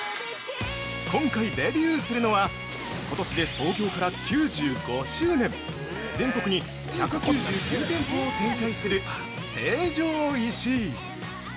◆今回、デビューするのはことしで創業から９５周年全国に１９９店舗を展開する成城石井。